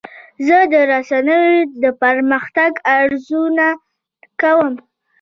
زه د رسنیو د پرمختګ ارزونه کوم.